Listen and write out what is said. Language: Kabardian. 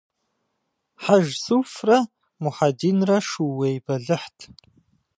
Хьэжсуфрэ Мухьэдинрэ шууей бэлыхьт.